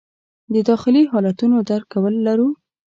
د داخلي حالتونو درک کول لرو.